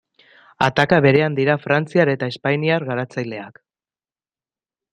Ataka berean dira frantziar eta espainiar garatzaileak.